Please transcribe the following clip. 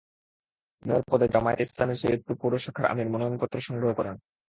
Mayor পদে জামায়াতে ইসলামীর সৈয়দপুর পৌর শাখার আমির মনোনয়নপত্র সংগ্রহ করেন।